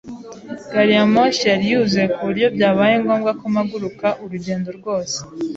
Gariyamoshi yari yuzuye ku buryo byabaye ngombwa ko mpaguruka urugendo rwose.